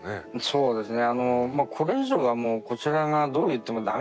そうですね